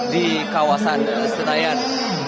di kawasan senayan